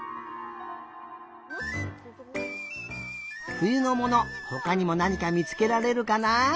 ふゆのものほかにもなにかみつけられるかな？